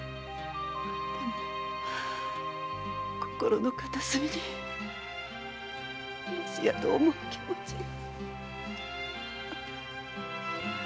でも心の片隅に「もしや」と思う気持ちが！